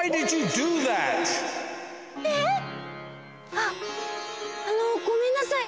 あっあのごめんなさい。